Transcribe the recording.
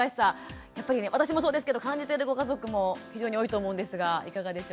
やっぱりね私もそうですけど感じてるご家族も非常に多いと思うんですがいかがでしょう？